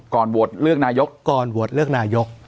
ก่อนโหวตเลือกนายก